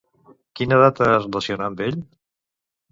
Quina data es relaciona amb ell?